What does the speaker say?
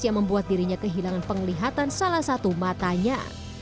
yang membuat dirinya kehilangan penglihatan salah satu matanya